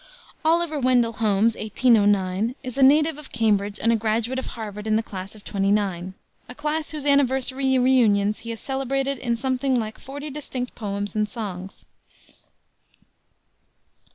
Oliver Wendell Holmes (1809 ) is a native of Cambridge and a graduate of Harvard in the class of '29; a class whose anniversary reunions he has celebrated in something like forty distinct poems and songs.